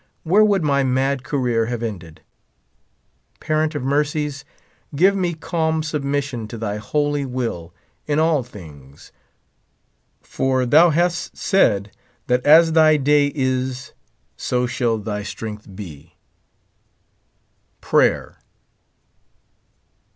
where would my mad career have ended ? Parent of mercies, give me calm submission to thy holy will in all things ; for thou hast said that as thy day is so shall thy strength be, 40 Prayer.